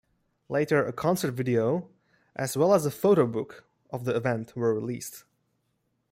Later, a concert video as well as a photobook of the event were released.